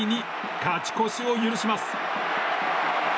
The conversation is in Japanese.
勝ち越しを許します。